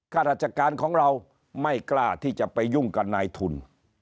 ข้าราชการของเราไม่กล้าที่จะไปยุ่งกับนายทุน